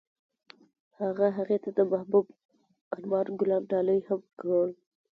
هغه هغې ته د محبوب آرمان ګلان ډالۍ هم کړل.